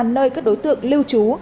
nơi các đối tượng lưu trú